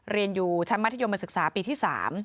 เรียนอยู่ชั้นมัธยมศึกษาปีที่๓